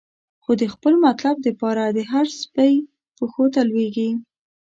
خو د خپل مطلب د پاره، د هر سپی پښو ته لویږی